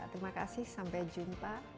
terima kasih sampai jumpa